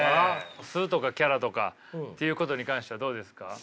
素とかキャラとかっていうことに関してはどうですか？